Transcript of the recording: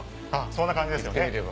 そんな感じですよね。